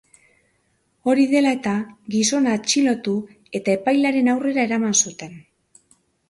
Hori dela eta, gizona atxilotu eta epailearen aurrera eraman zuten.